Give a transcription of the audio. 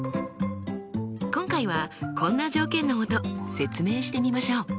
今回はこんな条件のもと説明してみましょう。